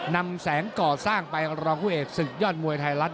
นำแสงก่อสร้างไปรองผู้เอกศึกยอดมวยไทยรัฐ